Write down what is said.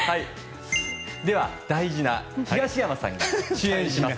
東山さんが主演します